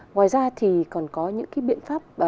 ngoài ra thì còn có những cái biện pháp